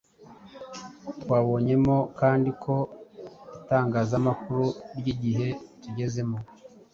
Twabonyemo kandi ko itangazamakuru ry’igihe tugezemo